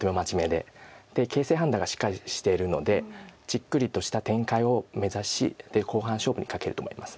で形勢判断がしっかりしているのでじっくりとした展開を目指しで後半勝負に懸けると思います。